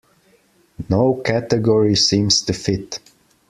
No category seems to fit.